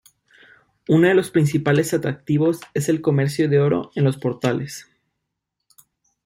Uno de sus principales atractivos es el comercio de oro en los portales.